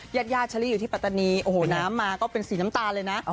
ญาติญาติเชอรี่อยู่ที่ปัตตานีโอ้โหน้ำมาก็เป็นสีน้ำตาลเลยนะ